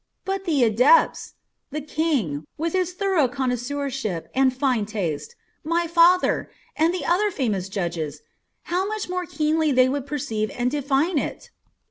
But the adepts! The King, with his thorough connoisseurship and fine taste, my father, and the other famous judges, how much more keenly they would perceive and define it!"